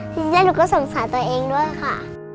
ที่สุดอย่างหนูสงสารตัวเองด้วยคะ